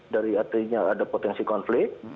dari artinya ada potensi konflik